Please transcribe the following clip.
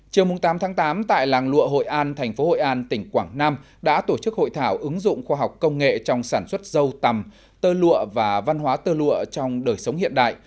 chiều tám tháng tám tại làng lụa hội an thành phố hội an tỉnh quảng nam đã tổ chức hội thảo ứng dụng khoa học công nghệ trong sản xuất dâu tằm tơ lụa và văn hóa tơ lụa trong đời sống hiện đại